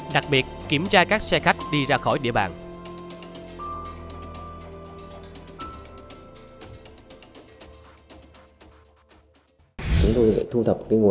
đặc biệt kiểm tra các xe khách đi ra khỏi địa bàn